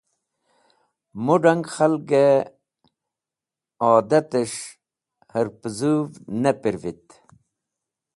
Mũd̃ang khalgẽ adatẽs̃h hẽr pẽzũv ne pirvit.